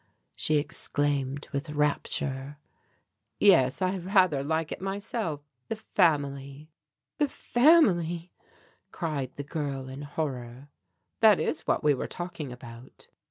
she exclaimed with rapture. "Yes, I rather like it myself the family " "The family!" cried the girl in horror. "That is what we were talking about."